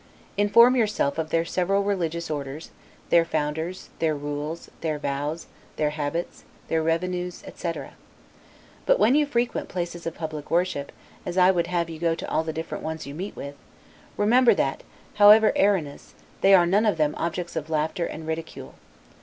Inform yourself of their several religious orders, their founders, their rules, their vows, their habits, their revenues, etc. But, when you frequent places of public worship, as I would have you go to all the different ones you meet with, remember, that however erroneous, they are none of them objects of laughter and ridicule.